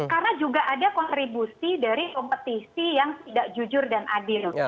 karena juga ada kontribusi dari kompetisi yang tidak jujur dan adil